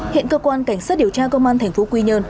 hiện cơ quan cảnh sát điều tra công an thành phố quy nhơn